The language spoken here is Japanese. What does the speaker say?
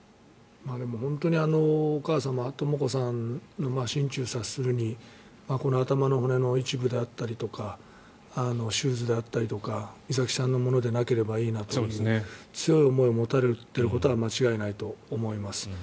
でも本当にあのお母様とも子さんの心中察するにこの頭の骨の一部であったりとかシューズであったりとか美咲さんのものでなければいいなという強い思いを持たれていることは間違いないと思います。